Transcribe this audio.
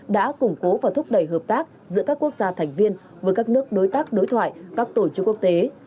đã củng cố và thúc đẩy hợp tác giữa các quốc gia thành viên với các nước đối tác đối thoại các tổ chức quốc tế